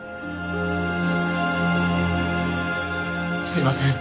すいません。